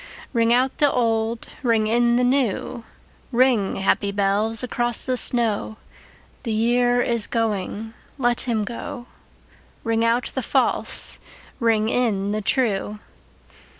Ring out the old, ring in the new, Ring, happy bells, across the snow: The year is going, let him go; Ring out the false, ring in the true.